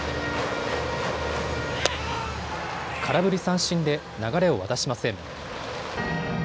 空振り三振で流れを渡しません。